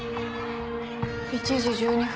１時１２分。